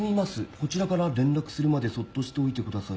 こちらから連絡するまでそっとしておいて下さい。